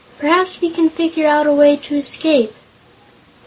Perhaps we can figure out a way to escape."